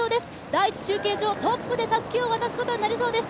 第１中継所をトップでたすきを渡すことになりそうです。